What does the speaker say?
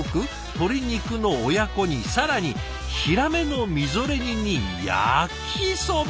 鶏肉の親子煮更にひらめのみぞれ煮に焼きそば！